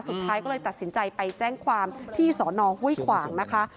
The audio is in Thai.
สุดท้ายก็เลยตัดสินใจไปแจ้งความที่สอนอห้วยขวางนะคะ